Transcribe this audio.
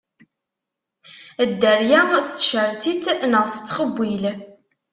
Dderrya tettcettit, neɣ tettxewwil.